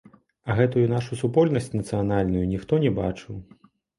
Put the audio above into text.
А гэтую нашую супольнасць нацыянальную ніхто не бачыў.